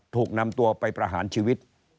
ถูกนำตัวไปประหารชีวิต